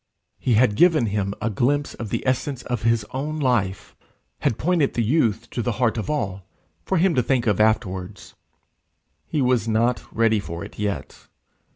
He had given him a glimpse of the essence of his own life, had pointed the youth to the heart of all for him to think of afterwards: he was not ready for it yet.